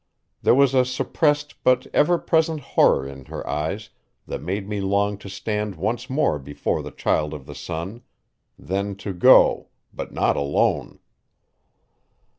There was a suppressed but ever present horror in her eyes that made me long to stand once more before the Child of the Sun; then to go, but not alone.